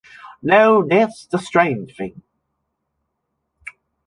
No, that’s the strange thing.